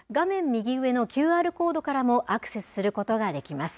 右上のＱＲコードからもアクセスすることができます。